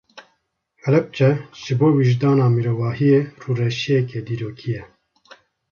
Helepçe ji bo wijdana mirovahiyê rûreşiyeke dîrokî ye.